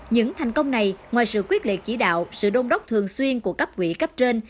những thành công này ngoài sự quyết liệt chỉ đạo sự đông đốc thường xuyên của cấp quỹ cấp trên